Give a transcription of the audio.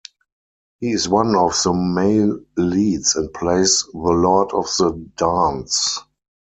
He is one of the male leads and plays the Lord of the Dance.